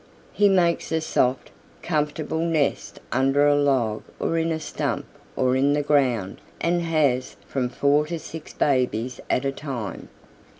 He makes a soft, comfortable nest under a log or in a stump or in the ground and has from four to six babies at a time.